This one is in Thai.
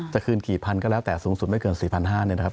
จะคืนกี่พันก็แล้วแต่สูงสุดไม่เกิน๔๕๐๐เนี่ยนะครับ